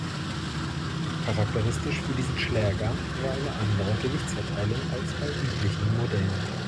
Charakteristisch für diesen Schläger war eine andere Gewichtsverteilung als bei üblichen Modellen.